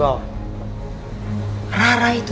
kadang kedel ait